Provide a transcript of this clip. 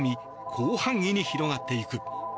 広範囲に広がっていく。